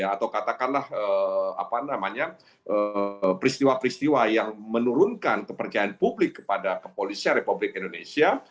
atau katakanlah peristiwa peristiwa yang menurunkan kepercayaan publik kepada kepolisian republik indonesia